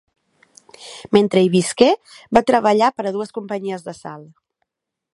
Mentre hi visqué, va treballar per a dues companyies de sal.